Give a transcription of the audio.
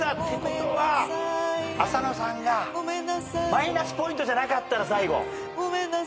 浅野さんがマイナスポイントじゃなかったら最後。